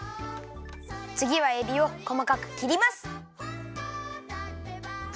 つぎはえびをこまかくきります。